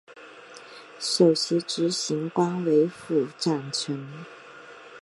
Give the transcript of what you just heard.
首席执行官为符展成。